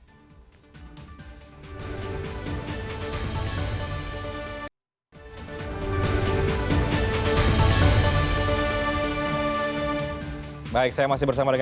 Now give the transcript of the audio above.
wanita nantieté besar ya kita p powerpoint agar mbak